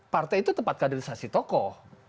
partai itu tempat kaderisasi tokoh